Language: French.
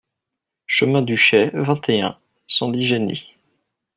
Chemin d'Huchey, vingt et un, cent dix Genlis